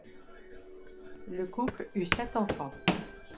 Le couple eut sept enfants.